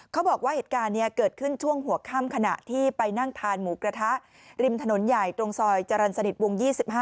เขาบอกว่าเหตุการณ์นี้เกิดขึ้นช่วงหัวค่ำขณะที่ไปนั่งทานหมูกระทะริมถนนใหญ่ตรงซอยจรรย์สนิทวง๒๕